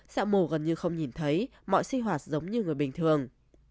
xẹo mổ gần như không nhìn thấy mọi sinh hoạt giống như người bình thường